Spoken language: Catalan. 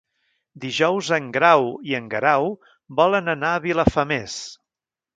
Dijous en Grau i en Guerau volen anar a Vilafamés.